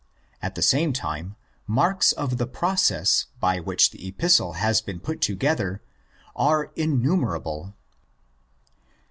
At the same time, marks of the process by which the Epistle has been put together are innumerable.